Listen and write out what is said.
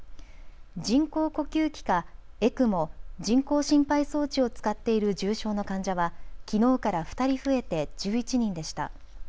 人工呼吸器かＥＣＭＯ・人工心肺装置を使っている重症の患者はきのうから２人増えて１１人でした。